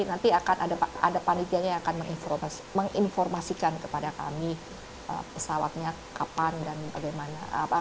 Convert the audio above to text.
nanti akan ada panitianya yang akan menginformasikan kepada kami pesawatnya kapan dan bagaimana